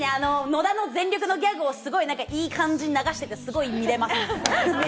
野田の全力のギャグをすごいいい感じに流してて、すごい見れます。